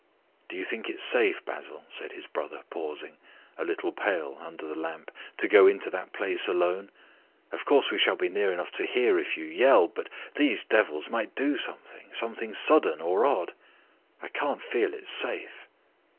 "Do you think it's safe, Basil," said his brother, pausing, a little pale, under the lamp, "to go into that place alone? Of course we shall be near enough to hear if you yell, but these devils might do something something sudden or odd. I can't feel it's safe."